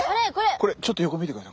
ちょっと横見てください。